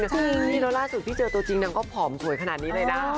ใช่แล้วล่าสุดพี่เจอตัวจริงนางก็ผอมสวยขนาดนี้เลยนะ